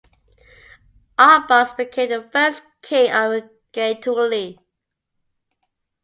Iarbas became the first king of Gaetuli.